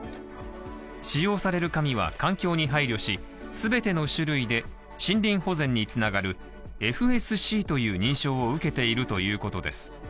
使用される紙は、環境に配慮し、全ての種類で森林保全に繋がるＦＳＣという認証を受けているということです。